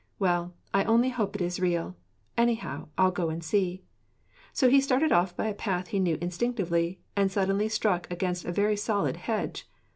Well, I only hope it is real; anyhow, I'll go and see.' So he started off by a path he knew instinctively, and suddenly struck against a very solid hedge.